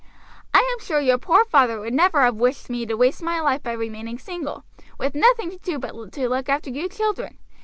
I am sure your poor father would never have wished me to waste my life by remaining single, with nothing to do but to look after you children.